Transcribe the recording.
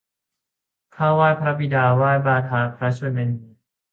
ข้าไหว้พระบิดา ไหว้บาทาพระชนนี